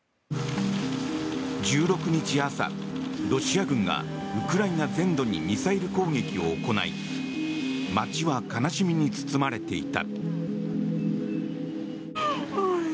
１６日朝、ロシア軍がウクライナ全土にミサイル攻撃を行い街は悲しみに包まれていた。